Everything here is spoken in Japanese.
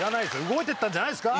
動いてったんじゃないですか？